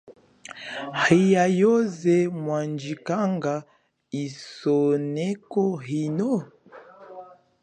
Iya yoze wandjikanga isoneko yino?